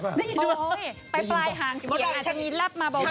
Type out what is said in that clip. ได้ยินป่ะโอ๊ยไปปลายหางเสียอาจจะมีลับมาเบา